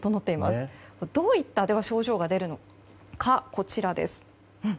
では、どういった症状が出るのかこちらです。